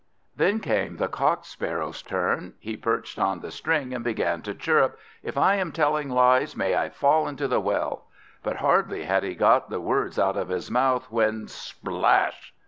Then came the Cock sparrow's turn. He perched on the string and began to chirrup, "If I am telling lies, may I fall into the well;" but hardly had he got the words out of his mouth, when splash!